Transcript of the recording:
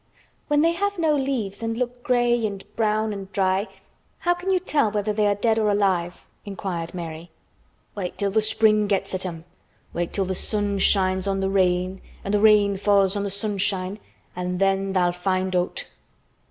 "When they have no leaves and look gray and brown and dry, how can you tell whether they are dead or alive?" inquired Mary. "Wait till th' spring gets at 'em—wait till th' sun shines on th' rain and th' rain falls on th' sunshine an' then tha'll find out."